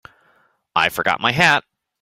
I forgot my hat.